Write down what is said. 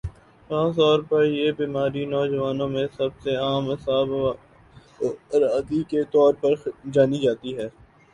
خاص طور پر یہ بیماری نوجوانوں میں سب سے عام اعصابی عوارض کے طور پر جانی جاتی ہے